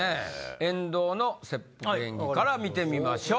遠藤の切腹演技から見てみましょう。